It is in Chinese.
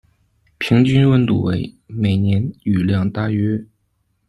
平均温度为，每年雨量大约。